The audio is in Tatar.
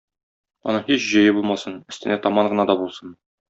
Аның һич җөе булмасын, өстемә таман гына да булсын.